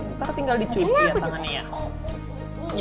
ntar tinggal dicuci ya tangannya